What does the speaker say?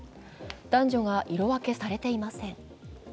男女が色分けされていません。